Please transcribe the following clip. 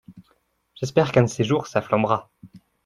J’espère qu’un de ces jours ça flambera.